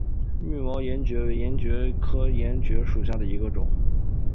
密毛岩蕨为岩蕨科岩蕨属下的一个种。